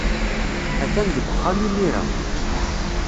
Atan deg uxxam imir-a.